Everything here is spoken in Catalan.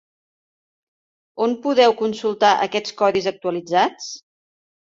On podeu consultar aquests codis actualitzats?